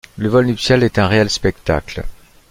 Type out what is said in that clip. Le vol nuptial est un réel spectacle.